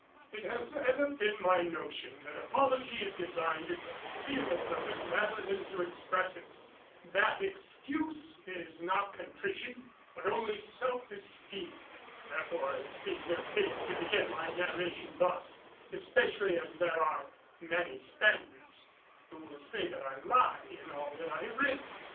It has ever been my notion that apology is designed to conceal a purpose rather than to express it; that excuse is not contrition but only self esteem. Therefore it seems ill fitting to begin my narration thus, especially as there are many Spaniards who will say that I lie in all that I have written.